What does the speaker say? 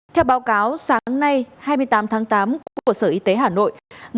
theo báo cáo sáng nay hai mươi tám tháng tám của sở y tế hà nội